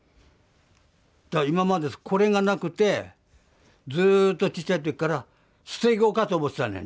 今までこれがなくてずっとちっちゃい時から捨て子かと思ってたのよ